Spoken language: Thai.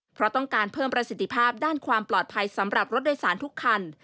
เพราะต้องการเพิ่มประสิทธิภาพด้านความปลอดภัยสำหรับรถโดยสารทุกคัน